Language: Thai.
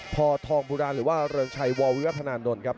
พอทองบุราหรือว่าเริงชัยววิวัฒนานนท์ครับ